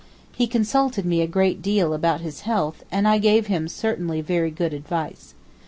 He consulted me a great deal about his health, and I gave him certainly very good advice.